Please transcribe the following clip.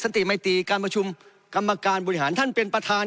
สันติไหมตีการประชุมกำรคารบุริหารท่านเป็นประธาน